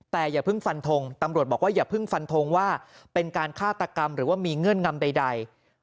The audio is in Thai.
แต่อย่าเพิ่งฟันทงตำรวจบอกว่าอย่าเพิ่งฟันทงว่าเป็นการฆาตกรรมหรือว่ามีเงื่อนงำใด